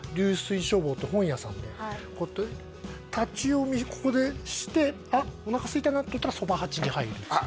こうやって立ち読みここでしてあっおなかすいたなと思ったらそば八に入るあっ